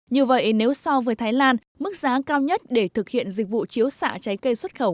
như vậy nếu so với thái lan mức giá cao nhất để thực hiện dịch vụ chiếu xạ trái cây xuất khẩu